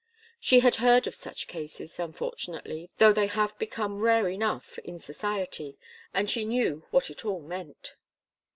She had heard of such cases, unfortunately, though they have become rare enough in society, and she knew what it all meant.